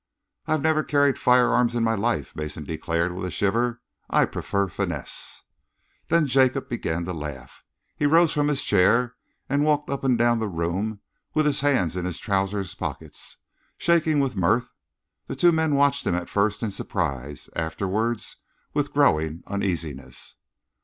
"I have never carried firearms in my life," Mason declared, with a shiver. "I prefer finesse." Then Jacob began to laugh. He rose from his chair and walked up and down the room with his hands in his trousers pockets, shaking with mirth. The two men watched him at first in surprise, afterwards with growing uneasiness.